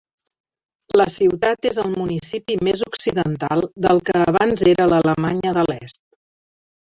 La ciutat és el municipi més occidental del que abans era l'Alemanya de l'Est.